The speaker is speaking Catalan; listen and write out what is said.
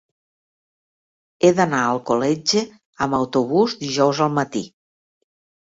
He d'anar a Alcoletge amb autobús dijous al matí.